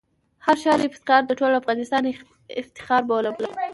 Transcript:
د هر ښار افتخار د ټول افغانستان افتخار بولم.